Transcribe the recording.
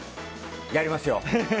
やりますよ！